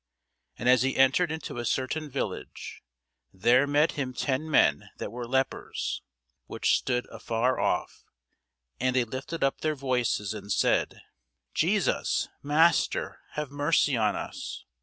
And as he entered into a certain village, there met him ten men that were lepers, which stood afar off: and they lifted up their voices, and said, Jesus, Master, have mercy on us.